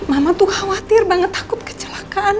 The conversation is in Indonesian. mama tuh khawatir banget takut kecelakaan